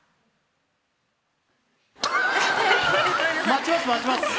待ちます待ちます。